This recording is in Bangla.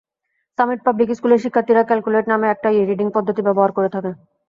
সামিট পাবলিক স্কুলের শিক্ষার্থীরা কারিক্যুলেট নামের একটা ই-রিডিং পদ্ধতি ব্যবহার করে থাকে।